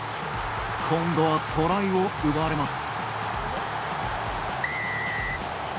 今度はトライを奪われます。